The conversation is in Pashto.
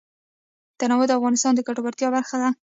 تنوع د افغانانو د ګټورتیا برخه ده.